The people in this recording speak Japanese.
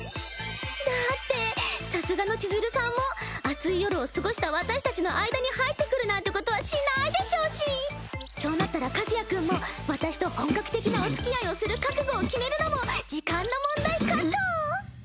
だってさすがの千鶴さんも熱い夜を過ごした私たちの間に入ってくるなんてことはしないでしょうしそうなったら和也君も私と本格的なおつきあいをする覚悟を決めるのも時間の問題かと。